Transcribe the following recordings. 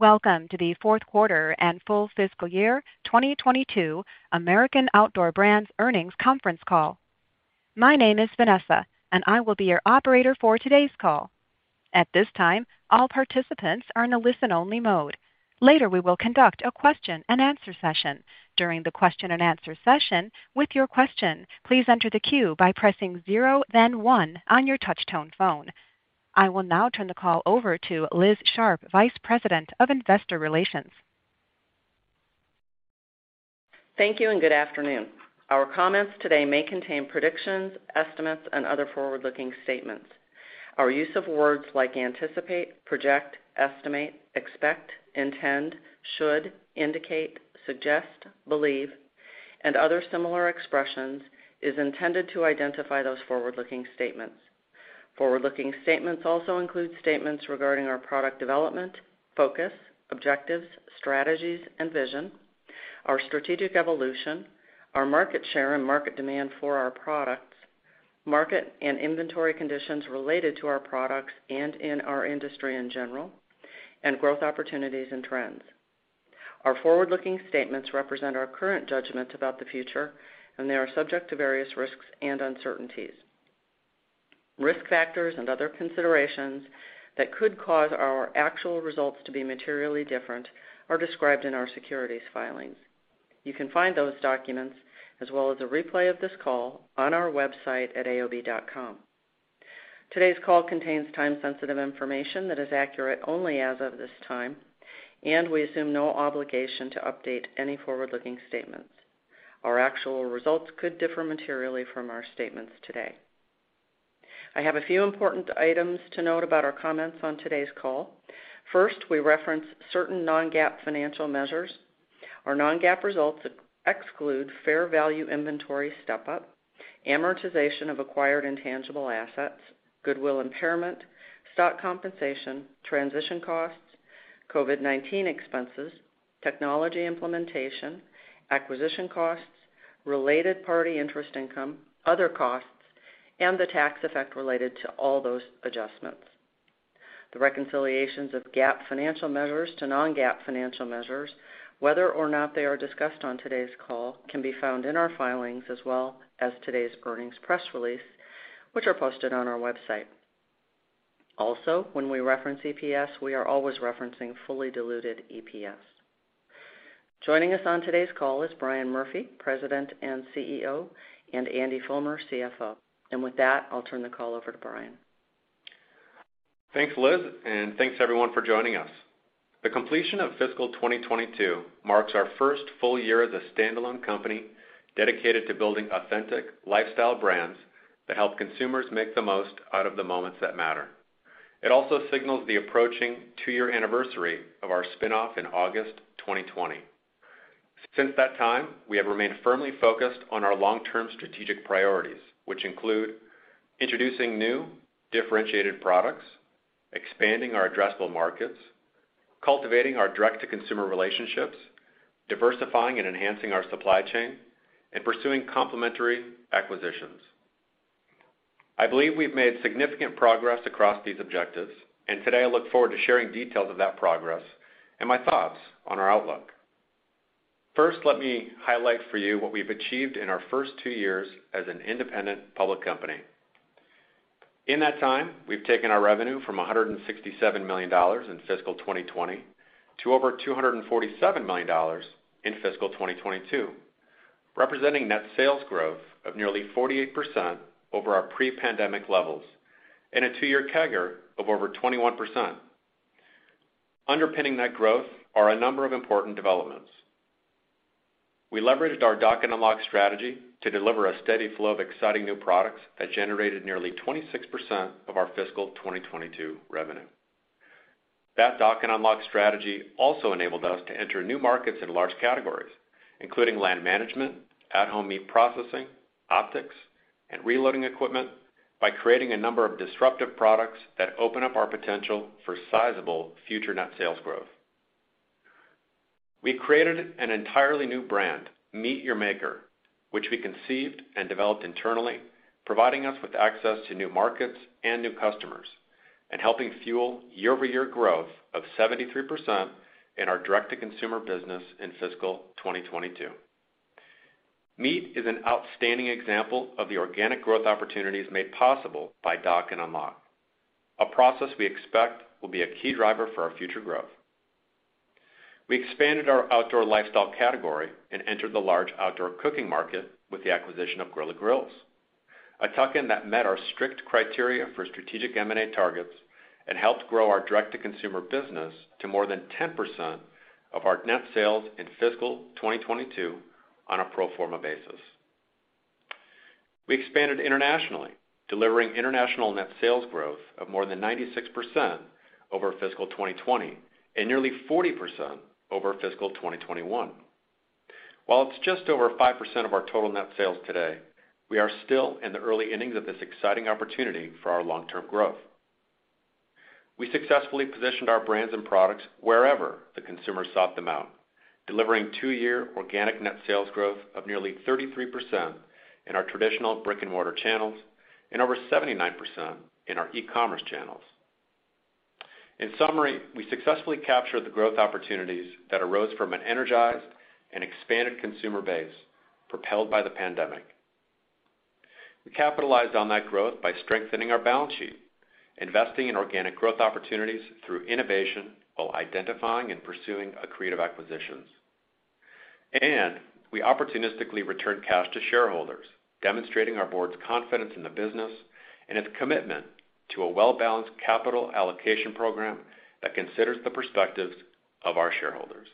Welcome to the fourth quarter and full fiscal year 2022 American Outdoor Brands earnings conference call. My name is Vanessa, and I will be your operator for today's call. At this time, all participants are in a listen-only mode. Later, we will conduct a question-and-answer session. During the question and answer session, with your question, please enter the queue by pressing zero then one on your touchtone phone. I will now turn the call over to Liz Sharp, Vice President of Investor Relations. Thank you, and good afternoon. Our comments today may contain predictions, estimates, and other forward-looking statements. Our use of words like anticipate, project, estimate, expect, intend, should, indicate, suggest, believe, and other similar expressions is intended to identify those forward-looking statements. Forward-looking statements also include statements regarding our product development, focus, objectives, strategies, and vision, our strategic evolution, our market share and market demand for our products, market and inventory conditions related to our products and in our industry in general, and growth opportunities and trends. Our forward-looking statements represent our current judgments about the future, and they are subject to various risks and uncertainties. Risk factors and other considerations that could cause our actual results to be materially different are described in our securities filings. You can find those documents, as well as a replay of this call, on our website at aob.com. Today's call contains time-sensitive information that is accurate only as of this time, and we assume no obligation to update any forward-looking statements. Our actual results could differ materially from our statements today. I have a few important items to note about our comments on today's call. First, we reference certain non-GAAP financial measures. Our non-GAAP results exclude fair value inventory step-up, amortization of acquired intangible assets, goodwill impairment, stock compensation, transition costs, COVID-19 expenses, technology implementation, acquisition costs, related party interest income, other costs, and the tax effect related to all those adjustments. The reconciliations of GAAP financial measures to non-GAAP financial measures, whether or not they are discussed on today's call, can be found in our filings as well as today's earnings press release, which are posted on our website. Also, when we reference EPS, we are always referencing fully diluted EPS. Joining us on today's call is Brian Murphy, President and CEO, and Andy Fulmer, CFO. With that, I'll turn the call over to Brian. Thanks, Liz, and thanks everyone for joining us. The completion of fiscal 2022 marks our first full year as a standalone company dedicated to building authentic lifestyle brands that help consumers make the most out of the moments that matter. It also signals the approaching two-year anniversary of our spinoff in August 2020. Since that time, we have remained firmly focused on our long-term strategic priorities, which include introducing new differentiated products, expanding our addressable markets, cultivating our direct-to-consumer relationships, diversifying and enhancing our supply chain, and pursuing complementary acquisitions. I believe we've made significant progress across these objectives, and today I look forward to sharing details of that progress and my thoughts on our outlook. First, let me highlight for you what we've achieved in our first two years as an independent public company. In that time, we've taken our revenue from $167 million in fiscal 2020 to over $247 million in fiscal 2022, representing net sales growth of nearly 48% over our pre-pandemic levels and a two-year CAGR of over 21%. Underpinning that growth are a number of important developments. We leveraged our Dock and Unlock strategy to deliver a steady flow of exciting new products that generated nearly 26% of our fiscal 2022 revenue. That Dock and Unlock strategy also enabled us to enter new markets in large categories, including land management, at-home meat processing, optics, and reloading equipment by creating a number of disruptive products that open up our potential for sizable future net sales growth. We created an entirely new brand, MEAT! Your Maker, which we conceived and developed internally, providing us with access to new markets and new customers and helping fuel year-over-year growth of 73% in our direct-to-consumer business in fiscal 2022. MEAT! is an outstanding example of the organic growth opportunities made possible by Dock and Unlock, a process we expect will be a key driver for our future growth. We expanded our outdoor lifestyle category and entered the large outdoor cooking market with the acquisition of Grilla Grills, a tuck-in that met our strict criteria for strategic M&A targets and helped grow our direct-to-consumer business to more than 10% of our net sales in fiscal 2022 on a pro forma basis. We expanded internationally, delivering international net sales growth of more than 96% over fiscal 2020 and nearly 40% over fiscal 2021. While it's just over 5% of our total net sales today, we are still in the early innings of this exciting opportunity for our long-term growth. We successfully positioned our brands and products wherever the consumer sought them out. Delivering two-year organic net sales growth of nearly 33% in our traditional brick-and-mortar channels and over 79% in our e-commerce channels. In summary, we successfully captured the growth opportunities that arose from an energized and expanded consumer base propelled by the pandemic. We capitalized on that growth by strengthening our balance sheet, investing in organic growth opportunities through innovation, while identifying and pursuing accretive acquisitions. We opportunistically returned cash to shareholders, demonstrating our board's confidence in the business and its commitment to a well-balanced capital allocation program that considers the perspectives of our shareholders.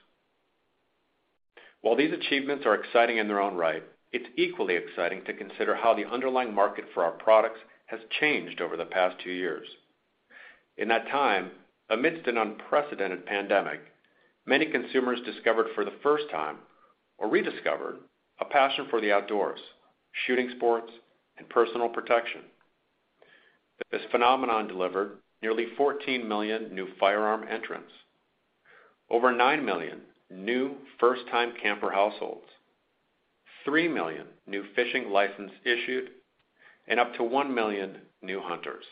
While these achievements are exciting in their own right, it's equally exciting to consider how the underlying market for our products has changed over the past two years. In that time, amidst an unprecedented pandemic, many consumers discovered for the first time, or rediscovered, a passion for the outdoors, shooting sports, and personal protection. This phenomenon delivered nearly 14 million new firearm entrants, over 9 million new first-time camper households, 3 million new fishing licenses issued, and up to 1 million new hunters.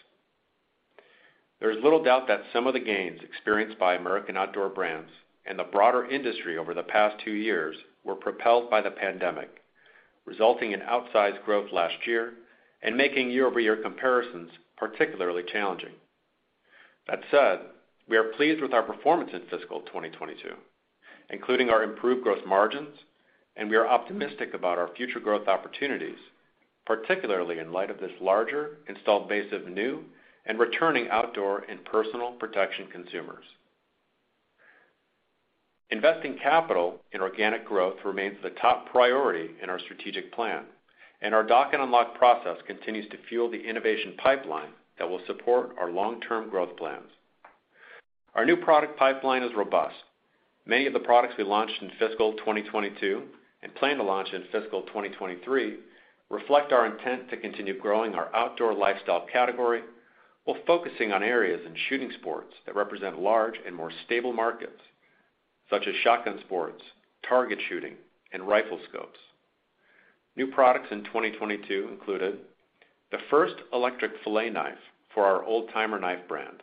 There is little doubt that some of the gains experienced by American Outdoor Brands and the broader industry over the past two years were propelled by the pandemic, resulting in outsized growth last year and making year-over-year comparisons particularly challenging. That said, we are pleased with our performance in fiscal 2022, including our improved growth margins, and we are optimistic about our future growth opportunities, particularly in light of this larger installed base of new and returning outdoor and personal protection consumers. Investing capital in organic growth remains the top priority in our strategic plan, and our Dock and Unlock process continues to fuel the innovation pipeline that will support our long-term growth plans. Our new product pipeline is robust. Many of the products we launched in fiscal 2022 and plan to launch in fiscal 2023 reflect our intent to continue growing our outdoor lifestyle category while focusing on areas in shooting sports that represent large and more stable markets, such as shotgun sports, target shooting, and rifle scopes. New products in 2022 included the first electric filet knife for our Old Timer brand,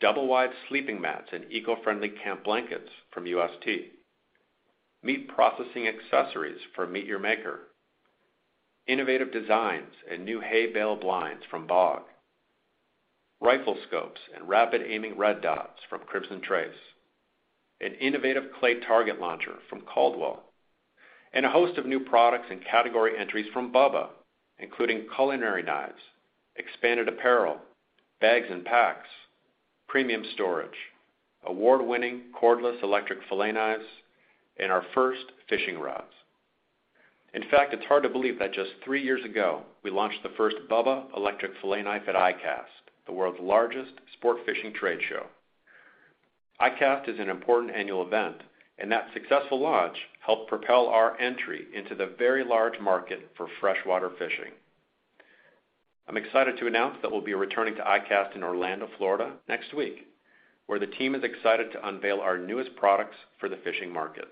double wide sleeping mats and eco-friendly camp blankets from UST, meat processing accessories from MEAT! Your Maker, innovative designs and new hay bale blinds from BOG, rifle scopes and rapid aiming red dots from Crimson Trace, an innovative clay target launcher from Caldwell, and a host of new products and category entries from BUBBA, including culinary knives, expanded apparel, bags and packs, premium storage, award-winning cordless electric filet knives, and our first fishing rods. In fact, it's hard to believe that just three years ago, we launched the first BUBBA electric filet knife at ICAST, the world's largest sport fishing trade show. ICAST is an important annual event, and that successful launch helped propel our entry into the very large market for freshwater fishing. I'm excited to announce that we'll be returning to ICAST in Orlando, Florida next week, where the team is excited to unveil our newest products for the fishing market.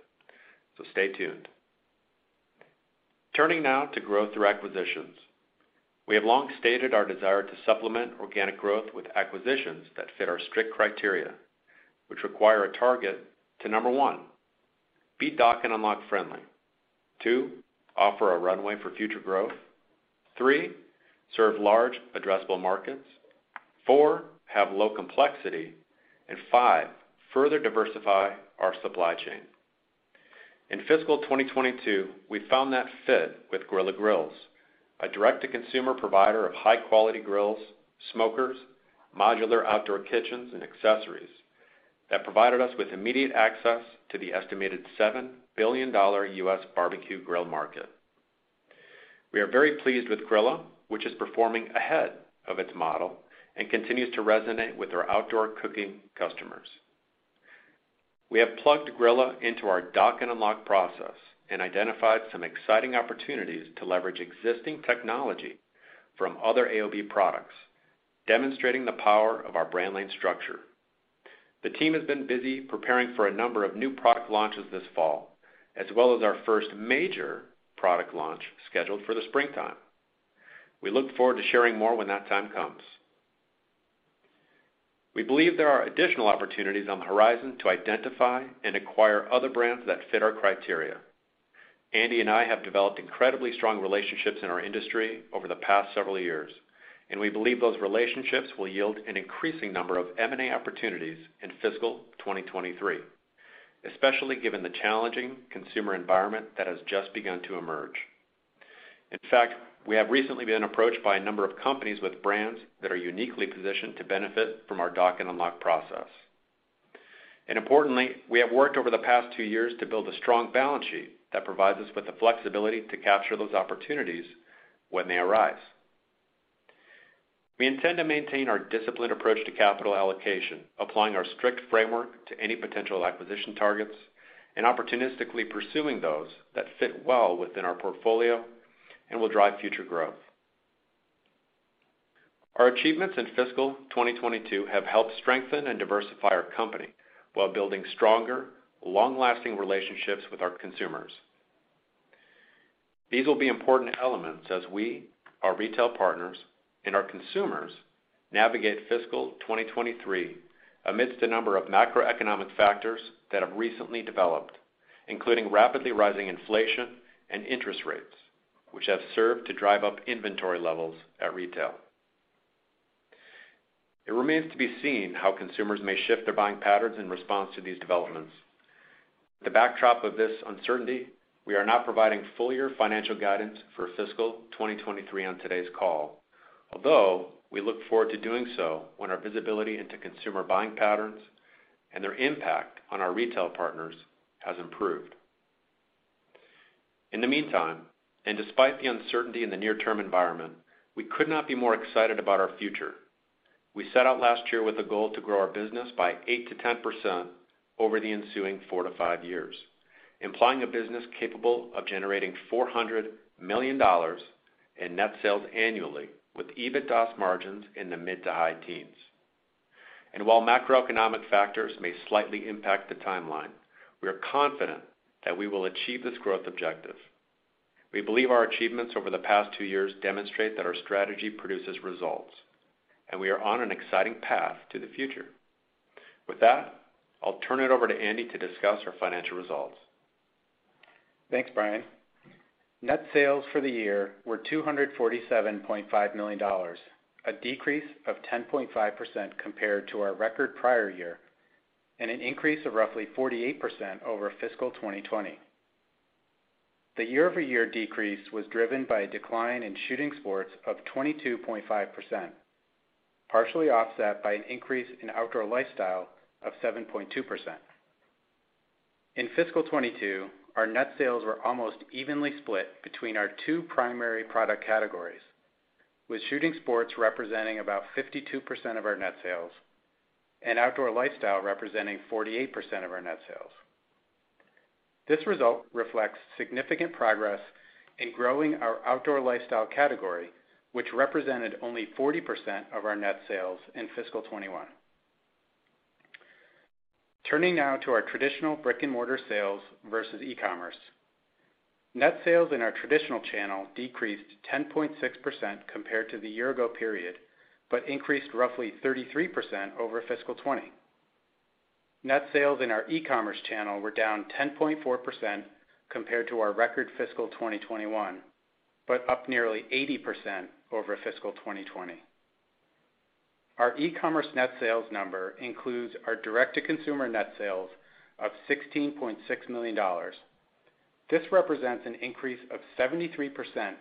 Stay tuned. Turning now to growth through acquisitions. We have long stated our desire to supplement organic growth with acquisitions that fit our strict criteria, which require a target to, number one, be Dock and Unlock friendly. Two, offer a runway for future growth. Three, serve large addressable markets. Four, have low complexity. And five, further diversify our supply chain. In fiscal 2022, we found that fit with Grilla Grills, a direct-to-consumer provider of high-quality grills, smokers, modular outdoor kitchens, and accessories that provided us with immediate access to the estimated $7 billion U.S. Barbecue grill market. We are very pleased with Grilla, which is performing ahead of its model and continues to resonate with our outdoor cooking customers. We have plugged Grilla into our Dock and Unlock process and identified some exciting opportunities to leverage existing technology from other AOB products, demonstrating the power of our brand lane structure. The team has been busy preparing for a number of new product launches this fall, as well as our first major product launch scheduled for the springtime. We look forward to sharing more when that time comes. We believe there are additional opportunities on the horizon to identify and acquire other brands that fit our criteria. Andy and I have developed incredibly strong relationships in our industry over the past several years, and we believe those relationships will yield an increasing number of M&A opportunities in fiscal 2023, especially given the challenging consumer environment that has just begun to emerge. In fact, we have recently been approached by a number of companies with brands that are uniquely positioned to benefit from our Dock and Unlock process. Importantly, we have worked over the past two years to build a strong balance sheet that provides us with the flexibility to capture those opportunities when they arise. We intend to maintain our disciplined approach to capital allocation, applying our strict framework to any potential acquisition targets and opportunistically pursuing those that fit well within our portfolio and will drive future growth. Our achievements in fiscal 2022 have helped strengthen and diversify our company while building stronger, long-lasting relationships with our consumers. These will be important elements as we, our retail partners, and our consumers navigate fiscal 2023 amidst a number of macroeconomic factors that have recently developed, including rapidly rising inflation and interest rates, which have served to drive up inventory levels at retail. It remains to be seen how consumers may shift their buying patterns in response to these developments. The backdrop of this uncertainty, we are not providing full-year financial guidance for fiscal 2023 on today's call, although we look forward to doing so when our visibility into consumer buying patterns and their impact on our retail partners has improved. In the meantime, and despite the uncertainty in the near-term environment, we could not be more excited about our future. We set out last year with a goal to grow our business by 8%-10% over the ensuing four to five years, implying a business capable of generating $400 million in net sales annually with EBITDA margins in the mid- to high-teens. While macroeconomic factors may slightly impact the timeline, we are confident that we will achieve this growth objective. We believe our achievements over the past two years demonstrate that our strategy produces results, and we are on an exciting path to the future. With that, I'll turn it over to Andy to discuss our financial results. Thanks, Brian. Net sales for the year were $247.5 million, a decrease of 10.5% compared to our record prior year, and an increase of roughly 48% over fiscal 2020. The year-over-year decrease was driven by a decline in shooting sports of 22.5%, partially offset by an increase in outdoor lifestyle of 7.2%. In fiscal 2022, our net sales were almost evenly split between our two primary product categories, with shooting sports representing about 52% of our net sales and outdoor lifestyle representing 48% of our net sales. This result reflects significant progress in growing our outdoor lifestyle category, which represented only 40% of our net sales in fiscal 2021. Turning now to our traditional brick-and-mortar sales versus e-commerce. Net sales in our traditional channel decreased 10.6% compared to the year-ago period, but increased roughly 33% over fiscal 2020. Net sales in our e-commerce channel were down 10.4% compared to our record fiscal 2021, but up nearly 80% over fiscal 2020. Our e-commerce net sales number includes our direct-to-consumer net sales of $16.6 million. This represents an increase of 73%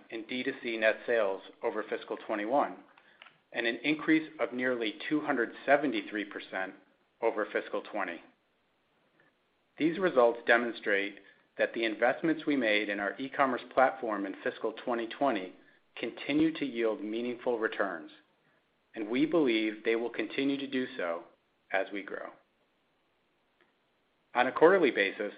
in D2C net sales over fiscal 2021 and an increase of nearly 273% over fiscal 2020. These results demonstrate that the investments we made in our e-commerce platform in fiscal 2020 continue to yield meaningful returns, and we believe they will continue to do so as we grow. On a quarterly basis,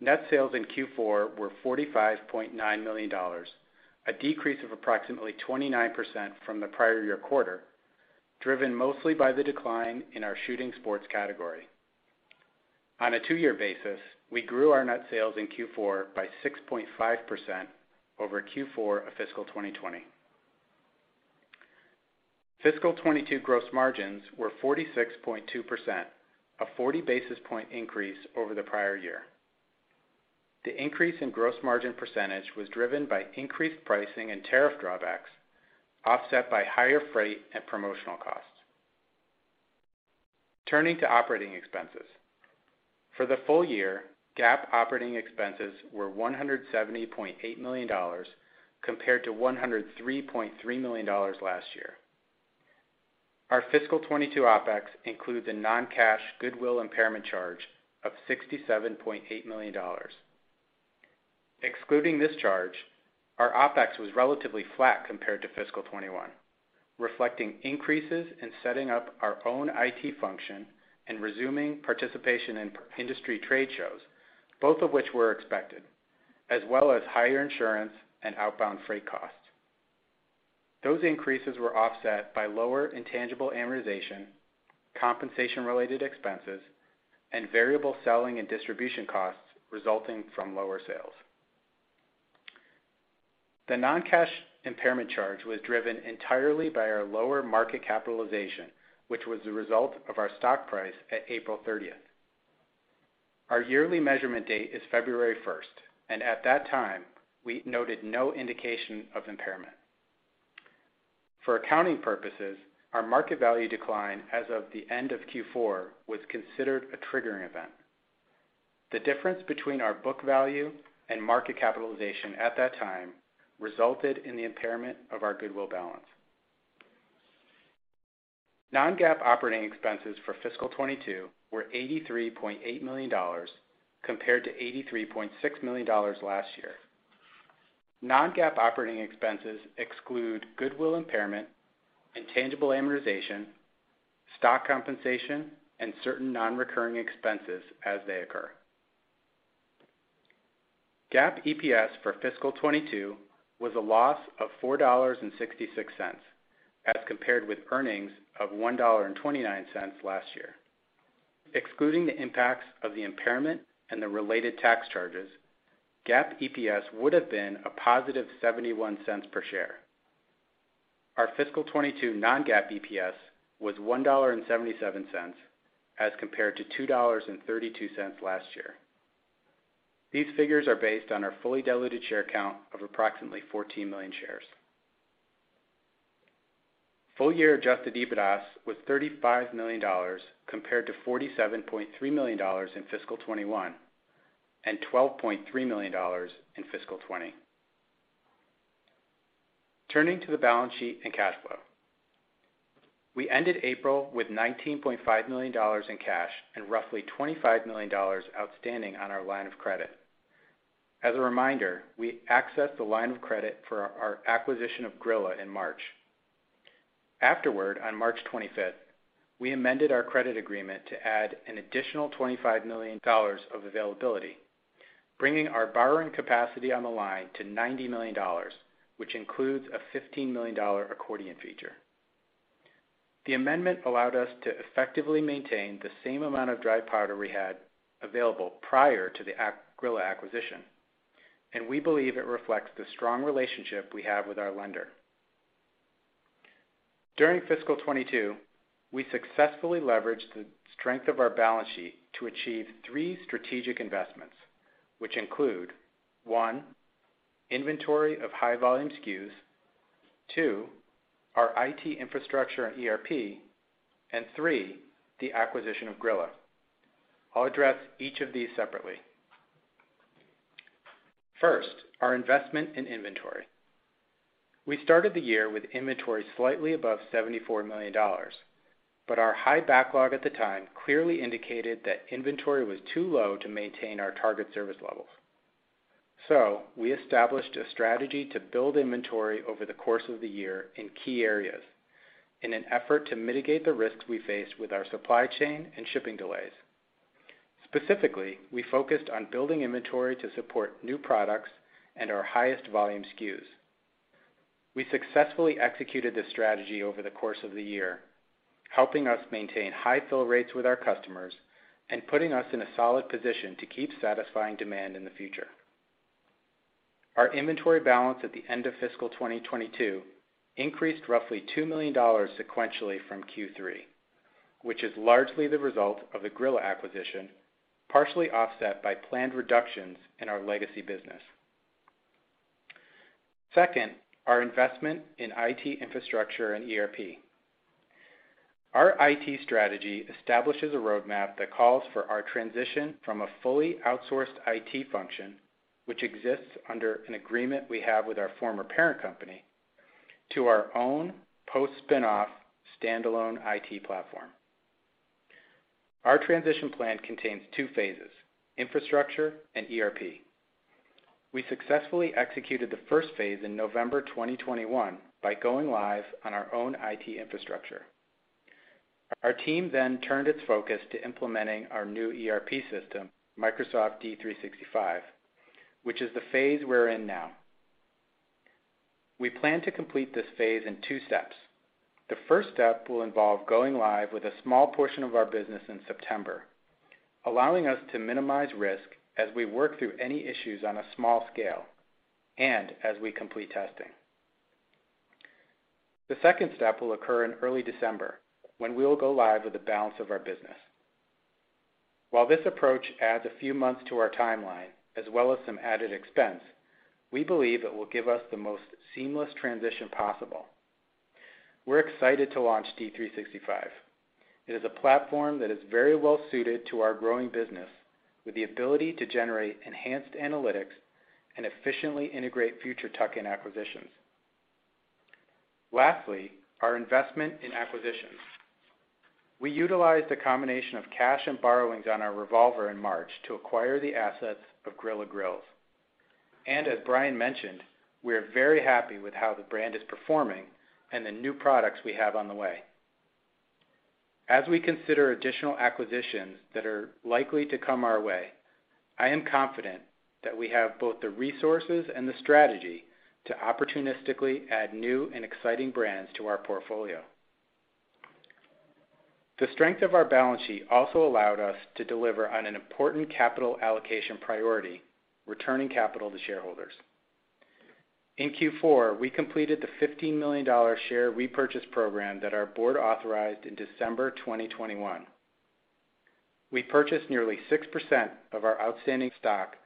net sales in Q4 were $45.9 million, a decrease of approximately 29% from the prior year quarter, driven mostly by the decline in our shooting sports category. On a two-year basis, we grew our net sales in Q4 by 6.5% over Q4 of fiscal 2020. Fiscal 2022 gross margins were 46.2%, a 40 basis point increase over the prior year. The increase in gross margin percentage was driven by increased pricing and tariff drawbacks, offset by higher freight and promotional costs. Turning to operating expenses. For the full year, GAAP operating expenses were $170.8 million compared to $103.3 million last year. Our fiscal 2022 OpEx include the non-cash goodwill impairment charge of $67.8 million. Excluding this charge, our OpEx was relatively flat compared to fiscal 2021, reflecting increases in setting up our own IT function and resuming participation in industry trade shows, both of which were expected, as well as higher insurance and outbound freight costs. Those increases were offset by lower intangible amortization, compensation-related expenses, and variable selling and distribution costs resulting from lower sales. The non-cash impairment charge was driven entirely by our lower market capitalization, which was the result of our stock price at April 30th. Our yearly measurement date is February 1st, and at that time, we noted no indication of impairment. For accounting purposes, our market value decline as of the end of Q4 was considered a triggering event. The difference between our book value and market capitalization at that time resulted in the impairment of our goodwill balance. Non-GAAP operating expenses for fiscal 2022 were $83.8 million compared to $83.6 million last year. Non-GAAP operating expenses exclude goodwill impairment, intangible amortization, stock compensation, and certain non-recurring expenses as they occur. GAAP EPS for fiscal 2022 was a loss of $4.66, as compared with earnings of $1.29 last year. Excluding the impacts of the impairment and the related tax charges, GAAP EPS would have been a positive $0.71 per share. Our fiscal 2022 non-GAAP EPS was $1.77 as compared to $2.32 last year. These figures are based on our fully diluted share count of approximately 14 million shares. Full-year adjusted EBITDA was $35 million compared to $47.3 million in fiscal 2021 and $12.3 million in fiscal 2020. Turning to the balance sheet and cash flow. We ended April with $19.5 million in cash and roughly $25 million outstanding on our line of credit. As a reminder, we accessed the line of credit for our acquisition of Grilla in March. Afterward, on March 25th, we amended our credit agreement to add an additional $25 million of availability, bringing our borrowing capacity on the line to $90 million, which includes a $15 million accordion feature. The amendment allowed us to effectively maintain the same amount of dry powder we had available prior to the Grilla acquisition, and we believe it reflects the strong relationship we have with our lender. During fiscal 2022, we successfully leveraged the strength of our balance sheet to achieve three strategic investments, which include, one, inventory of high volume SKUs, two, our IT infrastructure and ERP, and three, the acquisition of Grilla. I'll address each of these separately. First, our investment in inventory. We started the year with inventory slightly above $74 million, but our high backlog at the time clearly indicated that inventory was too low to maintain our target service levels. We established a strategy to build inventory over the course of the year in key areas in an effort to mitigate the risks we faced with our supply chain and shipping delays. Specifically, we focused on building inventory to support new products and our highest volume SKUs. We successfully executed this strategy over the course of the year, helping us maintain high fill rates with our customers and putting us in a solid position to keep satisfying demand in the future. Our inventory balance at the end of fiscal 2022 increased roughly $2 million sequentially from Q3, which is largely the result of the Grilla acquisition, partially offset by planned reductions in our legacy business. Second, our investment in IT infrastructure and ERP. Our IT strategy establishes a roadmap that calls for our transition from a fully outsourced IT function, which exists under an agreement we have with our former parent company, to our own post-spin off standalone IT platform. Our transition plan contains two phases, infrastructure and ERP. We successfully executed the first phase in November 2021 by going live on our own IT infrastructure. Our team then turned its focus to implementing our new ERP system, Microsoft D365, which is the phase we're in now. We plan to complete this phase in two steps. The first step will involve going live with a small portion of our business in September, allowing us to minimize risk as we work through any issues on a small scale and as we complete testing. The second step will occur in early December, when we will go live with the balance of our business. While this approach adds a few months to our timeline as well as some added expense, we believe it will give us the most seamless transition possible. We're excited to launch D365. It is a platform that is very well suited to our growing business with the ability to generate enhanced analytics and efficiently integrate future tuck-in acquisitions. Lastly, our investment in acquisitions. We utilized a combination of cash and borrowings on our revolver in March to acquire the assets of Grilla Grills. As Brian mentioned, we are very happy with how the brand is performing and the new products we have on the way. As we consider additional acquisitions that are likely to come our way, I am confident that we have both the resources and the strategy to opportunistically add new and exciting brands to our portfolio. The strength of our balance sheet also allowed us to deliver on an important capital allocation priority, returning capital to shareholders. In Q4, we completed the $15 million share repurchase program that our board authorized in December 2021. We purchased nearly 6% of our outstanding stock,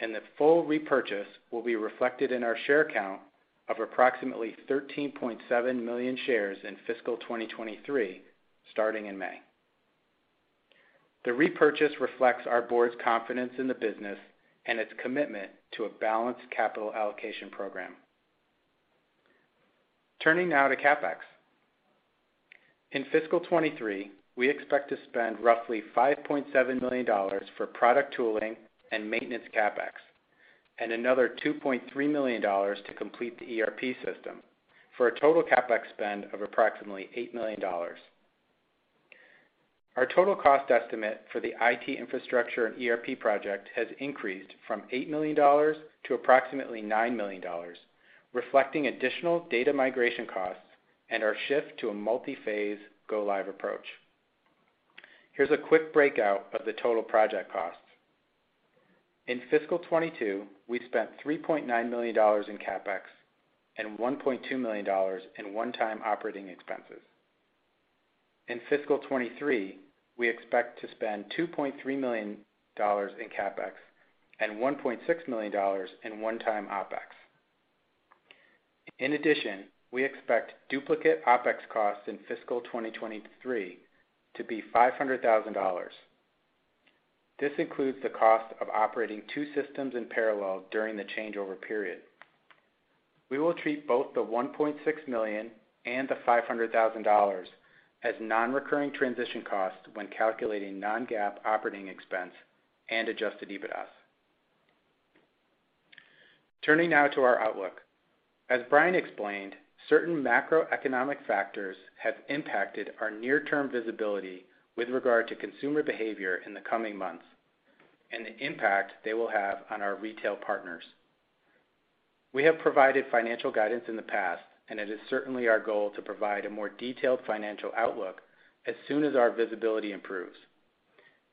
and the full repurchase will be reflected in our share count of approximately 13.7 million shares in fiscal 2023, starting in May. The repurchase reflects our board's confidence in the business and its commitment to a balanced capital allocation program. Turning now to CapEx. In fiscal 2023, we expect to spend roughly $5.7 million for product tooling and maintenance CapEx, and another $2.3 million to complete the ERP system, for a total CapEx spend of approximately $8 million. Our total cost estimate for the IT infrastructure and ERP project has increased from $8 million to approximately $9 million, reflecting additional data migration costs and our shift to a multi-phase go live approach. Here's a quick breakdown of the total project costs. In fiscal 2022, we spent $3.9 million in CapEx and $1.2 million in one-time operating expenses. In fiscal 2023, we expect to spend $2.3 million in CapEx and $1.6 million in one-time OpEx. In addition, we expect duplicate OpEx costs in fiscal 2023 to be $500,000. This includes the cost of operating two systems in parallel during the changeover period. We will treat both the $1.6 million and the $500,000 as non-recurring transition costs when calculating non-GAAP operating expense and adjusted EBITDA. Turning now to our outlook. As Brian explained, certain macroeconomic factors have impacted our near-term visibility with regard to consumer behavior in the coming months and the impact they will have on our retail partners. We have provided financial guidance in the past, and it is certainly our goal to provide a more detailed financial outlook as soon as our visibility improves.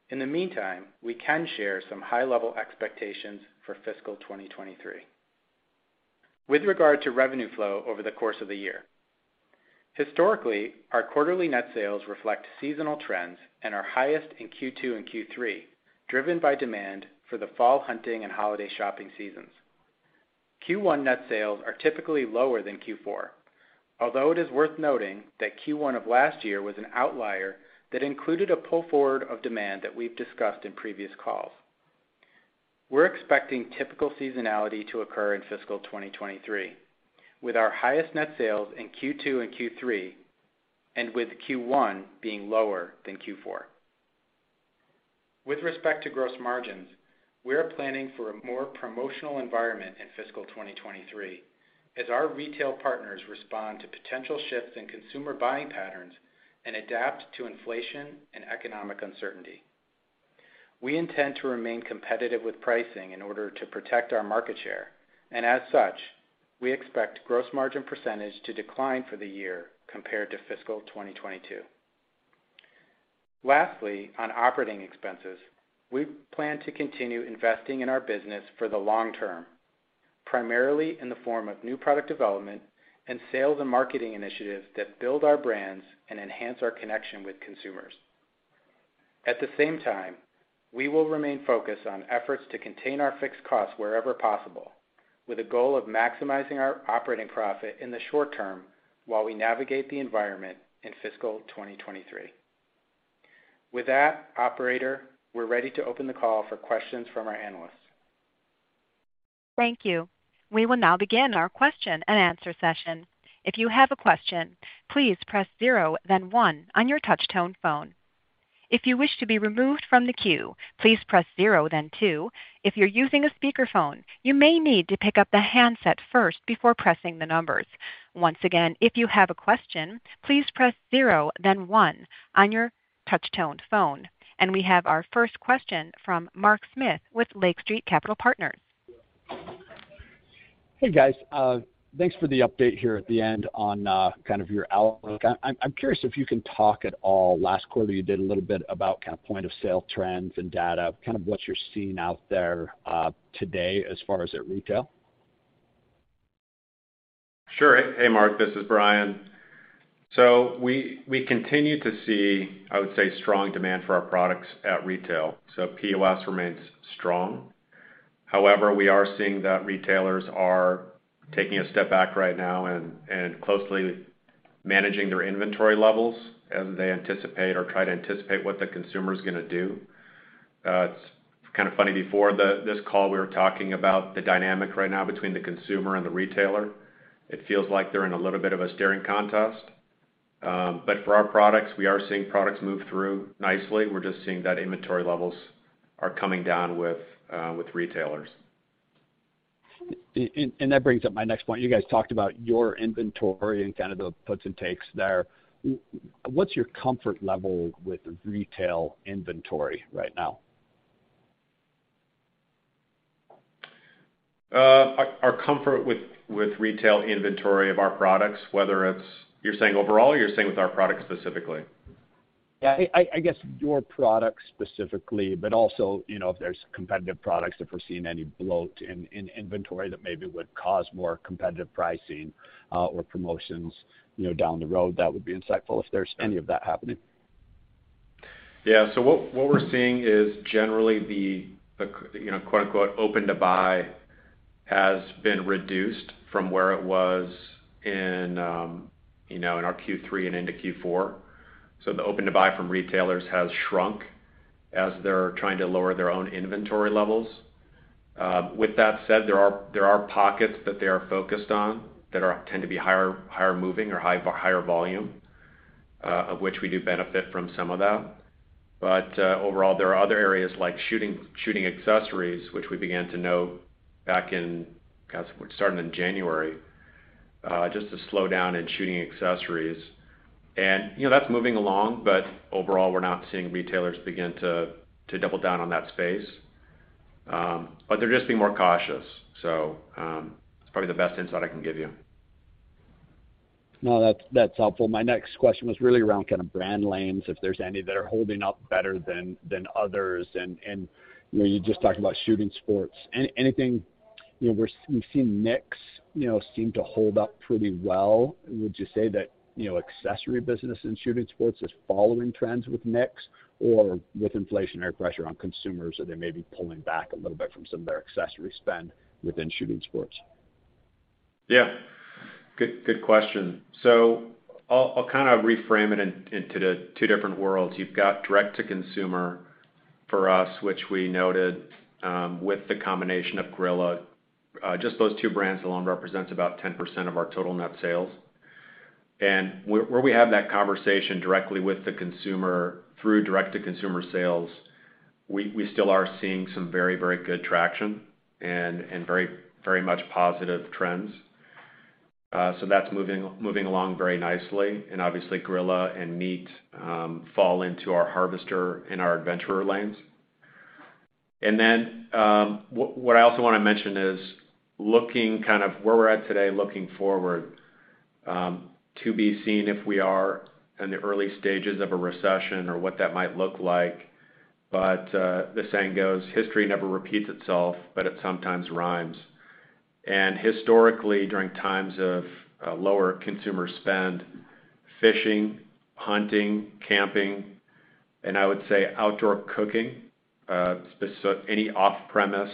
In the meantime, we can share some high-level expectations for fiscal 2023. With regard to revenue flow over the course of the year, historically, our quarterly net sales reflect seasonal trends and are highest in Q2 and Q3, driven by demand for the fall hunting and holiday shopping seasons. Q1 net sales are typically lower than Q4, although it is worth noting that Q1 of last year was an outlier that included a pull forward of demand that we've discussed in previous calls. We're expecting typical seasonality to occur in fiscal 2023, with our highest net sales in Q2 and Q3, and with Q1 being lower than Q4. With respect to gross margins, we are planning for a more promotional environment in fiscal 2023 as our retail partners respond to potential shifts in consumer buying patterns and adapt to inflation and economic uncertainty. We intend to remain competitive with pricing in order to protect our market share. As such, we expect gross margin percentage to decline for the year compared to fiscal 2022. Lastly, on operating expenses, we plan to continue investing in our business for the long term, primarily in the form of new product development and sales and marketing initiatives that build our brands and enhance our connection with consumers. At the same time, we will remain focused on efforts to contain our fixed costs wherever possible, with a goal of maximizing our operating profit in the short term while we navigate the environment in fiscal 2023. With that, operator, we're ready to open the call for questions from our analysts. Thank you. We will now begin our question and answer session. If you have a question, please press zero, then one on your touch tone phone. If you wish to be removed from the queue, please press zero, then two. If you're using a speakerphone, you may need to pick up the handset first before pressing the numbers. Once again, if you have a question, please press zero, then one on your touch tone phone. We have our first question from Mark Smith with Lake Street Capital Markets. Hey, guys. Thanks for the update here at the end on kind of your outlook. I'm curious if you can talk at all. Last quarter, you did a little bit about kind of point of sale trends and data, kind of what you're seeing out there today as far as at retail. Sure. Hey, Mark, this is Brian. We continue to see, I would say, strong demand for our products at retail. POS remains strong. However, we are seeing that retailers are taking a step back right now and closely managing their inventory levels as they anticipate or try to anticipate what the consumer is gonna do. It's kind of funny, this call, we were talking about the dynamic right now between the consumer and the retailer. It feels like they're in a little bit of a staring contest. But for our products, we are seeing products move through nicely. We're just seeing that inventory levels are coming down with retailers. That brings up my next point. You guys talked about your inventory and kind of the puts and takes there. What's your comfort level with retail inventory right now? Our comfort with retail inventory of our products, whether it's. You're saying overall, or you're saying with our products specifically? Yeah, I guess your products specifically, but also, you know, if there's competitive products, if we're seeing any bloat in inventory that maybe would cause more competitive pricing, or promotions, you know, down the road, that would be insightful if there's any of that happening. Yeah. What we're seeing is generally the you know quote-unquote open to buy has been reduced from where it was in you know in our Q3 and into Q4. The open to buy from retailers has shrunk as they're trying to lower their own inventory levels. With that said, there are pockets that they are focused on that tend to be higher moving or higher volume of which we do benefit from some of that. Overall, there are other areas like shooting accessories, which began to slow back in kind of starting in January. Just a slowdown in shooting accessories. You know, that's moving along, but overall, we're not seeing retailers begin to double down on that space. They're just being more cautious. It's probably the best insight I can give you. No, that's helpful. My next question was really around kind of brand lanes, if there's any that are holding up better than others. You know, you just talked about shooting sports. Anything, you know, we've seen NICS, you know, seem to hold up pretty well. Would you say that, you know, accessory business in shooting sports is following trends with NICS or with inflationary pressure on consumers, are they maybe pulling back a little bit from some of their accessory spend within shooting sports? Yeah. Good question. I'll kinda reframe it into the two different worlds. You've got direct-to-consumer for us, which we noted with the combination of Grilla just those two brands alone represents about 10% of our total net sales. Where we have that conversation directly with the consumer through direct-to-consumer sales, we still are seeing some very good traction and very much positive trends. That's moving along very nicely. Obviously Grilla and MEAT! Your Maker fall into our harvester and our adventurer lanes. What I also wanna mention is looking kind of where we're at today, looking forward, to be seen if we are in the early stages of a recession or what that might look like. The saying goes, "History never repeats itself, but it sometimes rhymes." Historically, during times of lower consumer spend, fishing, hunting, camping, and I would say outdoor cooking, any off-premise,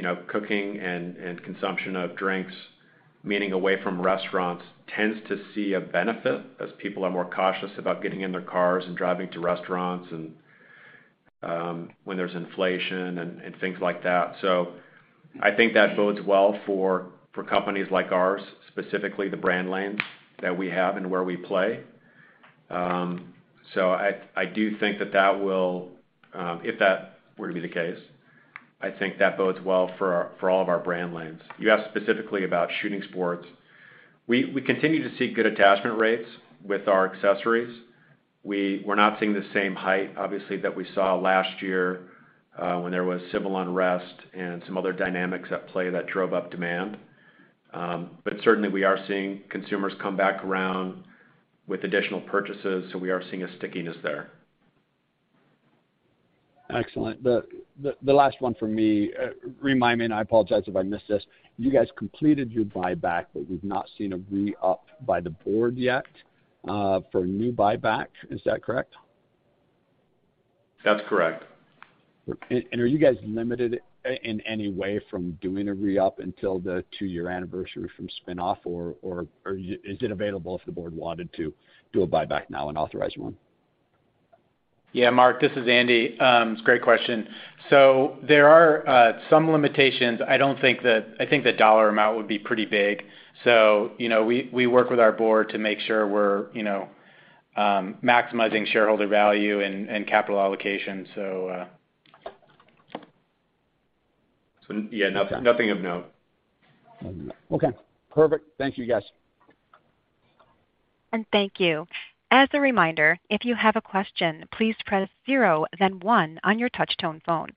you know, cooking and consumption of drinks, meaning away from restaurants, tends to see a benefit as people are more cautious about getting in their cars and driving to restaurants and, when there's inflation and things like that. I think that bodes well for companies like ours, specifically the brand lanes that we have and where we play. I do think that that will, if that were to be the case, I think that bodes well for all of our brand lanes. You asked specifically about shooting sports. We continue to see good attachment rates with our accessories. We're not seeing the same height, obviously, that we saw last year, when there was civil unrest and some other dynamics at play that drove up demand. Certainly we are seeing consumers come back around with additional purchases, so we are seeing a stickiness there. Excellent. The last one for me, remind me, and I apologize if I missed this, you guys completed your buyback, but we've not seen a re-up by the board yet, for new buyback. Is that correct? That's correct. Are you guys limited in any way from doing a re-up until the two-year anniversary from spin-off or is it available if the board wanted to do a buyback now and authorize one? Yeah, Mark, this is Andy. It's a great question. There are some limitations. I think the dollar amount would be pretty big. You know, we work with our board to make sure we're, you know, maximizing shareholder value and capital allocation. Yeah, nothing of note. Okay, perfect. Thank you, guys. Thank you. As a reminder, if you have a question, please press zero then one on your touch tone phone.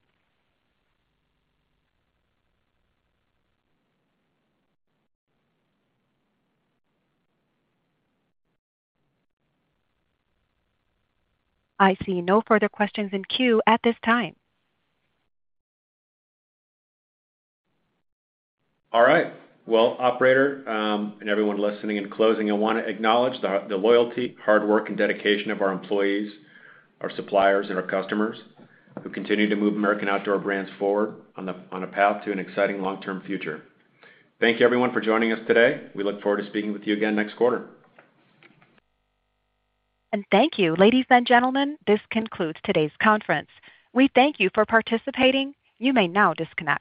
I see no further questions in queue at this time. All right. Well, operator, and everyone listening, in closing, I wanna acknowledge the loyalty, hard work, and dedication of our employees, our suppliers, and our customers who continue to move American Outdoor Brands forward on a path to an exciting long-term future. Thank you everyone for joining us today. We look forward to speaking with you again next quarter. Thank you. Ladies and gentlemen, this concludes today's conference. We thank you for participating. You may now disconnect.